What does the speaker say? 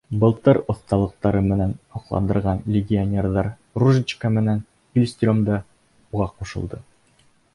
Былтыр оҫталыҡтары менән һоҡландырған легионерҙар Ружичка менән Пильстрем да уға ҡушылды.